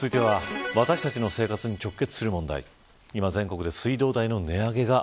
続いては私たちの生活に直結する問題。